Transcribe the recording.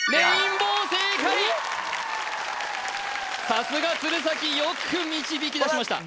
さすが鶴崎よく導き出しました